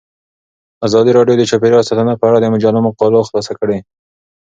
ازادي راډیو د چاپیریال ساتنه په اړه د مجلو مقالو خلاصه کړې.